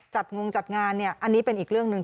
จัดงงจัดงานอันนี้เป็นอีกเรื่องหนึ่ง